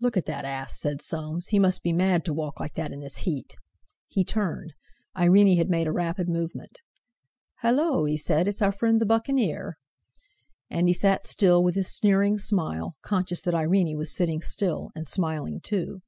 "Look at that ass!" said Soames; "he must be mad to walk like that in this heat!" He turned; Irene had made a rapid movement. "Hallo!" he said: "it's our friend the Buccaneer!" And he sat still, with his sneering smile, conscious that Irene was sitting still, and smiling too.